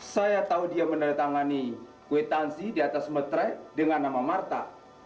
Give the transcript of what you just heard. saya tahu dia menandatangani kuitansi di atas metre dengan nama marta